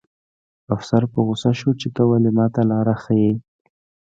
افسر په غوسه شو چې ته ولې ماته لاره ښیې